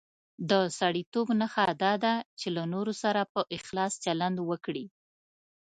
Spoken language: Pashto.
د سړیتوب نښه دا ده چې له نورو سره په اخلاص چلند وکړي.